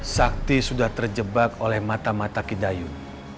sakti sudah terjebak oleh mata mata kidayun